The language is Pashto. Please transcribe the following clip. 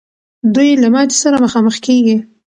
دوی له ماتي سره مخامخ کېږي.